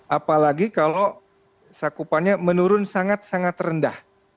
apalagi kalau cakupannya menurun sangat sangat rendah